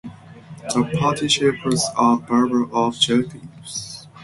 The participles are verbal adjectives.